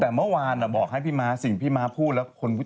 แต่เมื่อวานบอกให้พี่ม้าสิ่งที่ม้าพูดแล้วคนพูด